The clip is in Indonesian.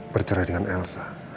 bercerai dengan elsa